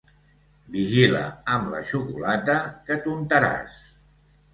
Vigila amb la xocolata, que t'untaràs!